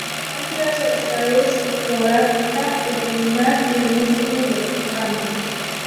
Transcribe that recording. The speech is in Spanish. Se distribuye hacia las paredes torácica y abdominal y el músculo diafragma.